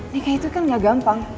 nikah itu kan gak gampang